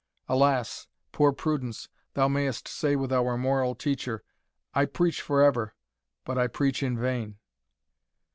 Alas! poor Prudence, thou mayest say with our moral teacher, "I preach for ever, but I preach in vain."